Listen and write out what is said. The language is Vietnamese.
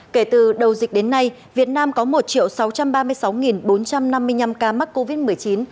kể từ đầu dịch đến nay việt nam có một sáu trăm ba mươi sáu bốn trăm năm mươi năm ca mắc covid một mươi chín